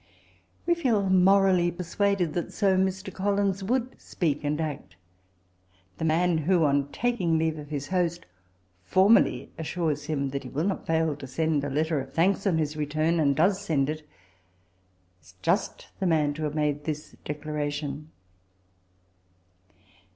We feel morally persuaded that so Mr. Collins would spei^ and act The man who, on taking leave of his host, formally assures him that he will not fail to send a "letter of thanks" on his return, and does send it, ia jost the man to have made this declaration.